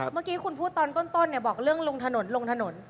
เมื่อกี้คุณพูดตอนต้นบอกเรื่องลงถนนลงถนน